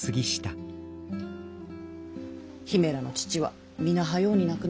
姫らの父は皆はように亡くなった。